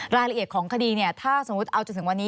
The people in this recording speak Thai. รายละเอียดของคดีถ้าสมมุติเอาจนถึงวันนี้